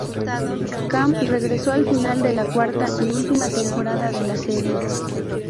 Cam regresó al final de la cuarta y última temporada de la serie.